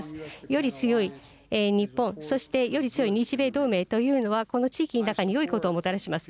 より強い日本、そしてより強い日米同盟というのは、この地域の中によいことをもたらします。